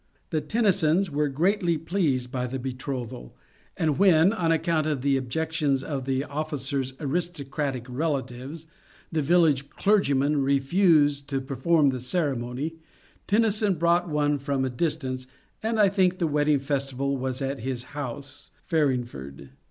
The Tennysons were greatly pleased by the betrothal, and when, on account of the objections of the offi cer's aristocratic relatives, the village clergyman refused to perform the ceremony, Tennyson brought one from a distance, and I think the wedding festival was at his house, Farring ford.